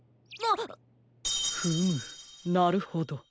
フムなるほど。